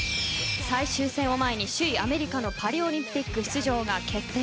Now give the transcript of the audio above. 最終戦を前に首位アメリカのパリオリンピック出場が決定。